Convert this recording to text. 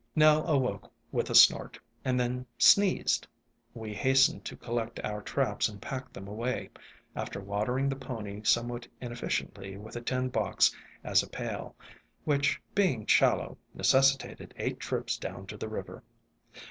Nell awoke with a snort, and then sneezed; we hastened to collect our traps and pack them away, after watering the pony somewhat inefficiently with a tin box as a pail, which, being shallow, necessitated eight trips down to the river.